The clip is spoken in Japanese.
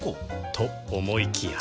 と思いきや